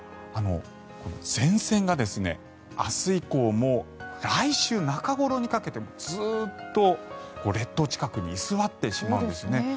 前線が明日以降も来週中ごろにかけてずっと列島近くに居座ってしまうんですね。